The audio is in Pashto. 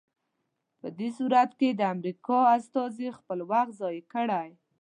په دې صورت کې د امریکا استازي خپل وخت ضایع کړی.